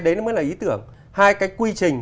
đấy mới là ý tưởng hai cái quy trình